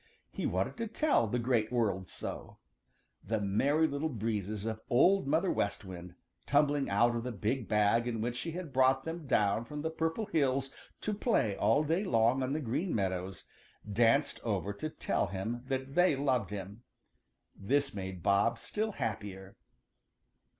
He wanted to tell the Great World so. The Merry Little Breezes of Old Mother West Wind, tumbling out of the big bag in which she had brought them down from the Purple Hills to play all day long on the Green Meadows, danced over to tell him that they loved him. This made Bob still happier.